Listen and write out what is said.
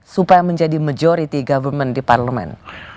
supaya menjadi majority government di parlemen